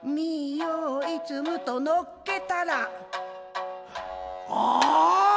よいつむとのっけたら「あー」。